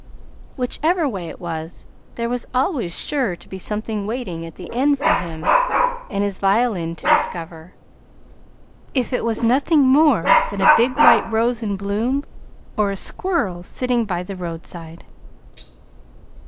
Whichever way it was, there was always sure to be something waiting at the end for him and his violin to discover, if it was nothing more than a big white rose in bloom, or a squirrel sitting by the roadside.